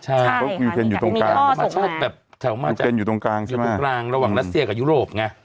ใช่ยูเครนอยู่ตรงกลางมันชอบแบบแถวมากจากยูเครนอยู่ตรงกลางใช่ไหมอยู่ตรงกลางระหว่างรัสเซียกับยูโรปไง